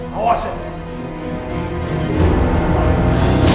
hah kamu itu cuman menantu